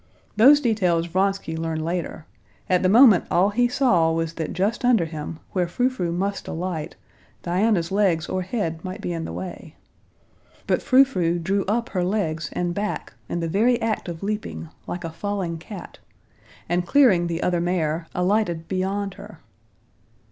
Those details Vronsky learned later; at the moment all he saw was that just under him, where Frou Frou must alight, Diana's legs or head might be in the way. But Frou Frou drew up her legs and back in the very act of leaping, like a falling cat, and, clearing the other mare, alighted beyond her.